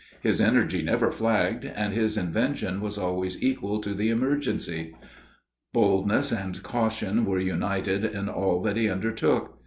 His energy never flagged, and his invention was always equal to the emergency. Boldness and caution were united in all that he undertook.